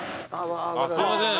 すいません。